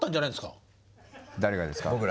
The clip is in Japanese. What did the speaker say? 誰がですか？